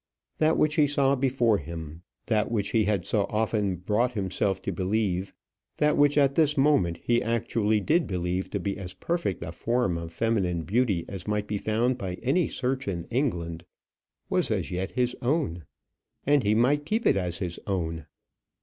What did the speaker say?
That which he saw before him, that which he had so often brought himself to believe, that which at this moment he actually did believe to be as perfect a form of feminine beauty as might be found by any search in England, was as yet his own. And he might keep it as his own.